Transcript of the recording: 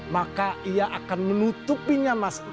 maka ia akan menutupinya mas